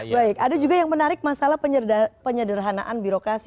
baik ada juga yang menarik masalah penyederhanaan birokrasi